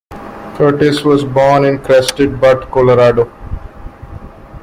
Kurtis was born in Crested Butte, Colorado.